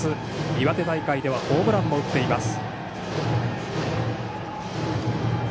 岩手大会ではホームランも打っています。